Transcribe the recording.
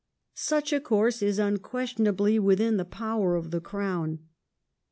Such a course is unquestionably within the power of the Crown.